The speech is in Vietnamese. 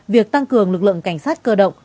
việc tăng cường lực lượng cảnh sát cơ động